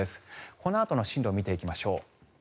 このあとの進路を見ていきましょう。